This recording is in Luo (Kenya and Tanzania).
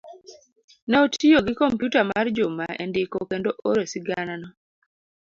ne otiyo gi kompyuta mar Juma e ndiko kendo oro siganano.